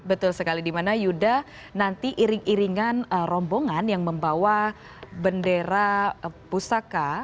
betul sekali dimana yuda nanti iring iringan rombongan yang membawa bendera pusaka